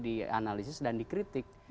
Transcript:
dianalisis dan dikritik